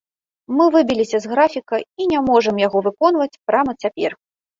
Мы выбіліся з графіка і не можам яго выконваць прама цяпер.